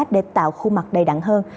để tạo khu mặt đầy đặn hơn